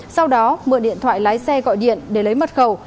sau đó mượn điện thoại lái xe gọi điện để lấy mật khẩu